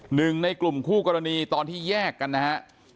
หนึ่งในกลุ่มคู่กรณีตอนที่แยกกันนะฮะ